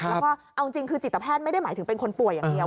แล้วก็เอาจริงคือจิตแพทย์ไม่ได้หมายถึงเป็นคนป่วยอย่างเดียว